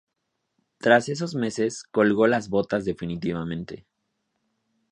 Tras esos meses, colgó las botas definitivamente.